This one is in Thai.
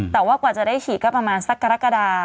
แต่ว่ากว่าจะได้ฉีดก็ประมาณสักกรกฎา